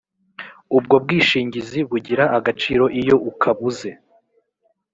ubwo bwishingizi bugira agaciro iyo ukabuze